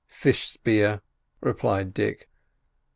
"Fish spear," replied Dick.